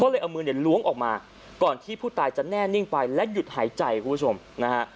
เลยเอามือเนี่ยล้วงออกมาก่อนที่ผู้ตายจะแน่นิ่งไปและหยุดหายใจคุณผู้ชมนะฮะ